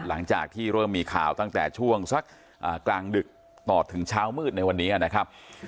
หลังจากที่เริ่มมีข่าวตั้งแต่ช่วงสักกลางดึกต่อถึงเช้ามืดในวันนี้นะครับ